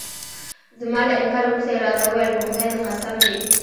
زما له انکار وروسته يې راته وویل: په خدای دې قسم وي.